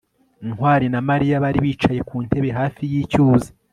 ntwali na mariya bari bicaye ku ntebe hafi yicyuzi